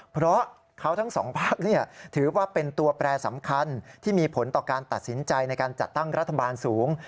เพราะเขาทั้งสองพักถือว่าเป็นตัวแปรสำคัญที่มีผลต่อการตัดสินใจในการจัดตั้งรัฐบาลสูง